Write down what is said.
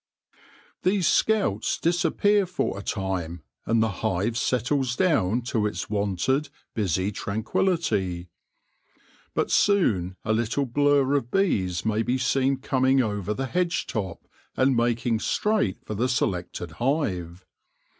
AFTER THE FEAST 175 These scouts disappear for a time, and the hive settles down to its wonted, busy tranquillity. But soon a little blur of bees may be seen coming over the hedge top, and making straight for the selected hive.